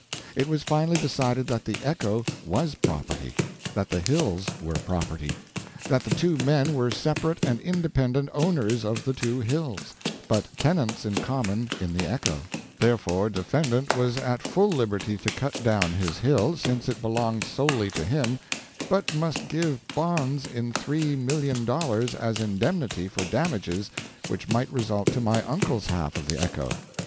It was finally decided that the echo was property; that the hills were property; that the two men were separate and independent owners of the two hills, but tenants in common in the echo; therefore defendant was at full liberty to cut down his hill, since it belonged solely to him, but must give bonds in three million dollars as indemnity for damages which might result to my uncle's half of the echo.